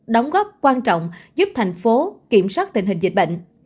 đóng góp quan trọng giúp thành phố kiểm soát tình hình dịch bệnh